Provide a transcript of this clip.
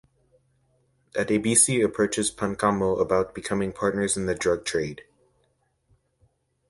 Adebisi approaches Pancamo about becoming partners in the drug trade.